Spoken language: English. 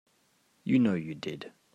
You know you did.